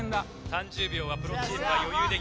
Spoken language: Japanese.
３０秒はプロチームは余裕で逆転。